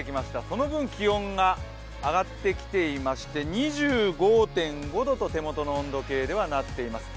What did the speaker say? その分、気温が上がってきていまして２５．５度と手元の温度計ではなっています。